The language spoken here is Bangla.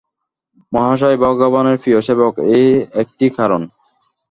মহাশয় ভগবানের প্রিয় সেবক, এই একটি কারণ।